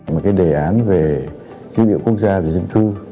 một đề án về dữ liệu quốc gia và dân cư